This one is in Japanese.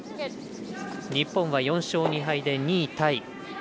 日本は４勝２敗で２位タイ。